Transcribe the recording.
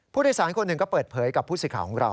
ผู้โดยสารคนหนึ่งก็เปิดเผยกับผู้สื่อข่าวของเรา